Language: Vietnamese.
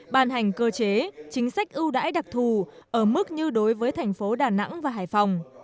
ban hành cơ chế chính sách ưu đãi đặc thù ở mức như đối với thành phố đà nẵng và hải phòng